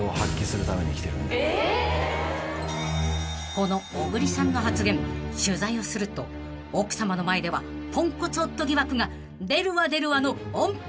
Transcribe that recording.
［この小栗さんの発言取材をすると奥さまの前ではポンコツ夫疑惑が出るわ出るわのオンパレードに］